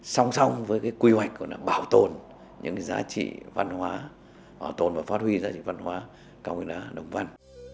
song song với cái quy hoạch bảo tồn những giá trị văn hóa bảo tồn và phát huy giá trị văn hóa cao nguyên đá đồng văn